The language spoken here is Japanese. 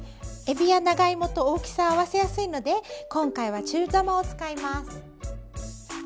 えびや長芋と大きさを合わせやすいので今回は中玉を使います。